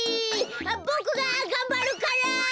ボクががんばるから！